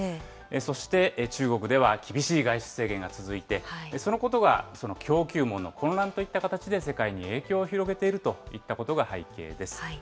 そして中国では厳しい外出制限が続いて、そのことが供給網の混乱といった形で世界に影響を広げているといったことが背景です。